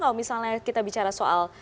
kalau misalnya kita bicara soal